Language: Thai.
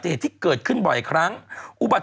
บริเวณนี้เป็นจุดทางร่วมที่ลดลงจากสะพาน